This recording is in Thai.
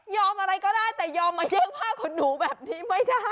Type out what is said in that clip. อะไรก็ได้แต่ยอมมาเยื่องผ้าขนหนูแบบนี้ไม่ได้